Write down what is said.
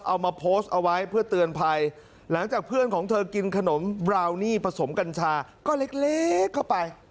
เอามาโพสต์เอาไว้เพื่อเตือนภัยหลังจากเพื่อนของเธอกินขนมบราวนี่ผสมกัญชาก็เล็กเข้าไป